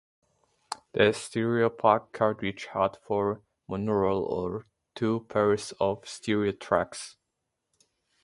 The Stereo-Pak cartridge had four monaural or two pairs of stereo tracks.